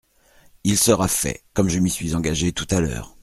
Il sera fait, comme je m’y suis engagé tout à l’heure.